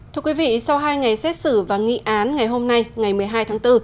thưa quý vị sau hai ngày xét xử và nghị án ngày hôm nay ngày một mươi hai tháng bốn